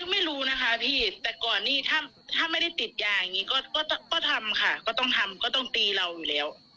ไม่รู้นะคะพี่แต่ก่อนนี้ถ้าไม่ได้ติดยาอย่างนี้ก็ทำค่ะก็ต้องทำก็ต้องตีเราอยู่แล้ว